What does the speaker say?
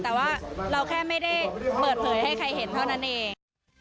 แต่ว่าเราแค่ไม่ได้เปิดเผยให้ใครเห็นเท่านั้นเอง